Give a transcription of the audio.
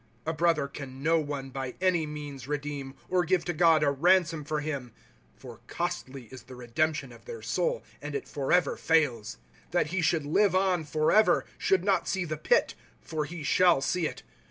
"^ A brother can no one by any means redeem. Or give to God a ransom for him ;^ (For costly is the redemption of their soul, And it forever fails ;)" That he should live on forever, Should not see the pit. i» For he shall see it.